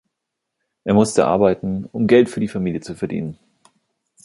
Er musste arbeiten, um Geld für die Familie zu verdienen.